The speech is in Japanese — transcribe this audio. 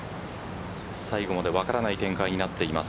最後まで分からない展開になっています。